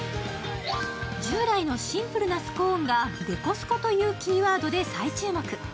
従来のシンプルなスコーンがデコスコというキーワードで再注目。